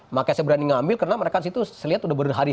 makanya saya berani ngambil karena mereka disitu saya lihat udah berhari